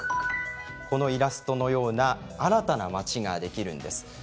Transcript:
イラストのような新たな町ができるんです。